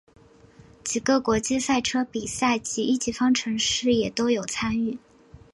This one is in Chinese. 几个国际赛车比赛及一级方程式也都有参与。